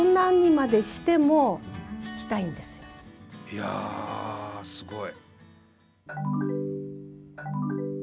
いやあ、すごい。